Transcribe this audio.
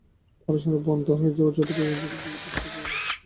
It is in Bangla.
পড়াশোনা বন্ধ হয়ে যাওয়া ছোট ভাই এবার বিএ পরীক্ষার ফরম পূরণ করেছে।